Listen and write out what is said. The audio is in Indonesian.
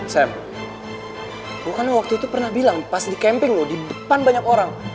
sam gue kan waktu itu pernah bilang pas di camping lo di depan banyak orang